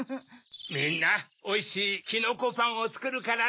みんなおいしいきのこパンをつくるからね。